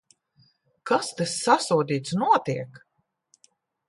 Kas te, sasodīts, notiek?